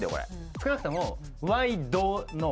少なくとも。